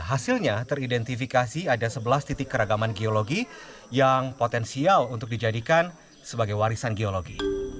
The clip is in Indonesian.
hasilnya teridentifikasi ada sebelas titik keragaman geologi yang potensial untuk dijadikan sebagai warisan geologi